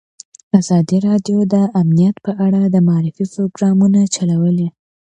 ازادي راډیو د امنیت په اړه د معارفې پروګرامونه چلولي.